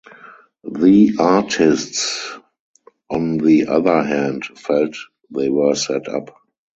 The artists on the other hand felt they were set up.